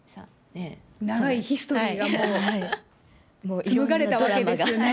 長いヒストリーが紡がれたわけですね。